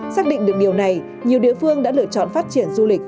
xác định được điều này nhiều địa phương đã lựa chọn phát triển du lịch